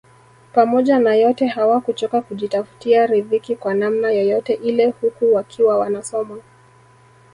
Pamoja na yote hawakuchoka kujitafutia ridhiki kwa namna yoyote ile huku wakiwa wanasoma